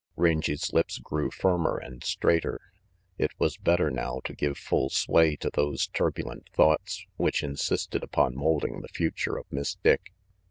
Rangy's lips grew firmer and straighter. It was better now to give full sway to those turbulent thoughts which insisted upon molding the future of Miss Dick.